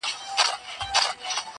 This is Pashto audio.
تر څو د وطني بومي کلتورونو